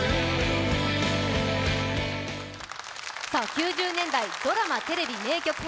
９０年代ドラマ・テレビ名曲編